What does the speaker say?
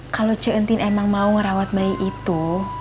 kalau cik entin emang mau ngerawat bayi itu